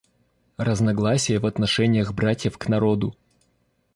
Разногласие в отношениях братьев к народу.